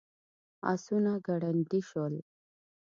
آسونه ګړندي شول.